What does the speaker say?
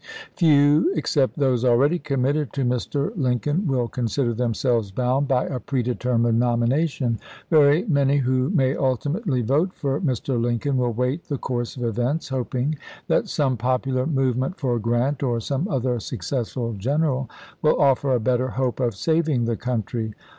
Few except those already committed to Mr. Lincoln will consider themselves bound by a predetermined nomination. Very many who may ultimately vote for Mr. Lincoln will wait the course of events, hop ing that some popular movement for Grant or some other successful general will offer a better hope of saving the country.